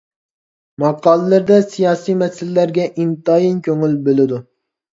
ماقالىلىرىدە سىياسىي مەسىلىلەرگە ئىنتايىن كۆڭۈل بۆلىدۇ.